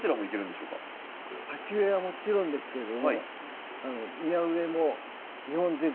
鉢植えはもちろんですけれども庭植えも日本全国